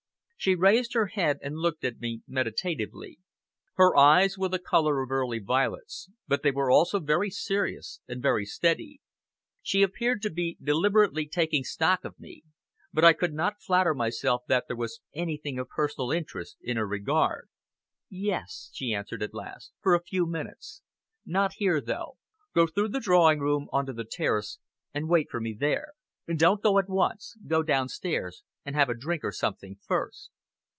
She raised her head and looked at me meditatively. Her eyes were the color of early violets, but they were also very serious and very steady. She appeared to be deliberately taking stock of me, but I could not flatter myself that there was anything of personal interest in her regard. "Yes!" she answered at last, "for a few minutes. Not here though. Go through the drawing room on to the terrace, and wait for me there. Don't go at once. Go downstairs and have a drink or something first."